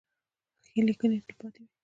ښې لیکنې تلپاتې وي.